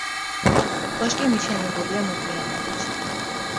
კოშკი მიშენებულია მოგვიანებით.